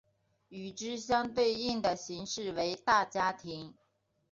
与之相对应的形式为大家庭。